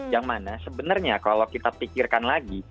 yang mana sebenarnya kalau kita pikirkan lagi